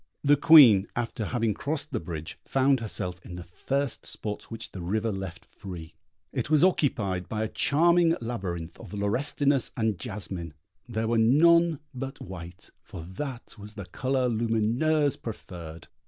The Queen, after having crossed the bridge, found herself in the first spot which the river left free; it was occupied by a charming labyrinth of laurestinus and jasmine; there were none but white, for that was the colour Lumineuse preferred.